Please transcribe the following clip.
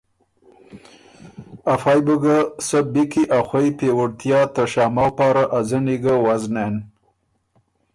افئ بُو ګۀ سۀ بی کی ا خوئ پيېوُړتیا ته شامؤ پاره ا ځنی ګۀ وزنېن